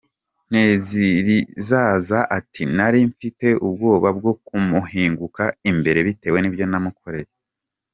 Ntezirizaza ati “ Nari mfite ubwoba bwo kumuhinguka imbere bitewe n’ibyo namukoreye.